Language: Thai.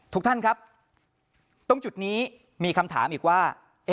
ทุกท่านครับตรงจุดนี้มีคำถามอีกว่า